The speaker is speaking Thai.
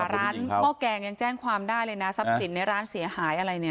ร้านเมาะแกงยังแจ้งความได้เลยนะทรัพย์สินในร้านเสียหายอะไร